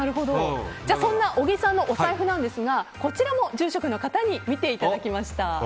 そんな小木さんのお財布なんですがこちらも住職の方に見ていただきました。